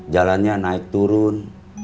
jalannya naik turun